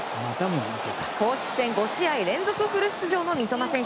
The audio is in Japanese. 公式戦５試合連続フル出場の三笘選手。